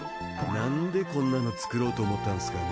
なんでこんなの作ろうと思ったんすかね。